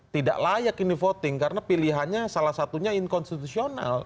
tidak layak ini voting karena pilihannya salah satunya inkonstitusional